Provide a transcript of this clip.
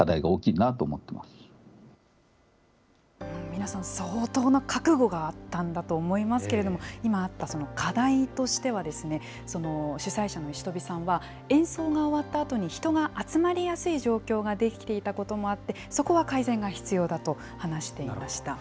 皆さん、相当な覚悟があったんだと思いますけれども、今あったその課題としては、主催者の石飛さんは、演奏が終わったあとに人が集まりやすい状況ができていたこともあって、そこは改善が必要だと話していました。